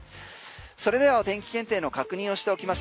それではお天気検定の確認をしておきます。